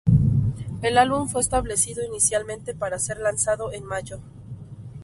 El álbum fue establecido inicialmente para ser lanzado en mayo.